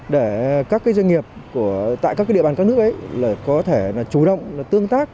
để các doanh nghiệp tại các địa bàn các nước có thể chủ động tương tác